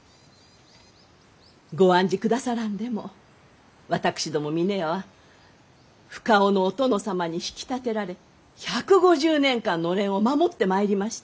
ご案じくださらんでも私ども峰屋は深尾のお殿様に引き立てられ１５０年間のれんを守ってまいりました。